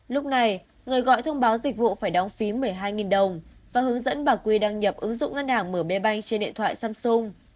lúc này người gọi thông báo dịch vụ phải đóng phí một mươi hai đồng và hướng dẫn bà quy đăng nhập ứng dụng ngân hàng mở máy bay trên điện thoại samsung